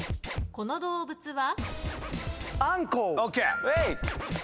この動物は？